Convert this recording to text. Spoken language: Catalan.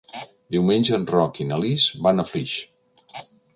Diumenge en Roc i na Lis van a Flix.